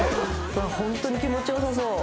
本当に気持ちよさ